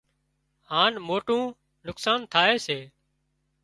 هانَ موٽُون نقصان ٿائي سي